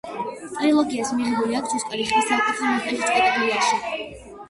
ტრილოგიას მიღებული აქვს ოსკარი ხმის საუკეთესო მონტაჟის კატეგორიაში.